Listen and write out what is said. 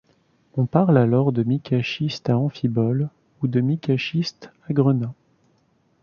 On parle alors de micaschistes à amphiboles ou de micaschistes à grenats.